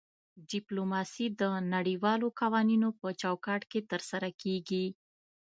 ډیپلوماسي د نړیوالو قوانینو په چوکاټ کې ترسره کیږي